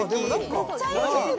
めっちゃいい！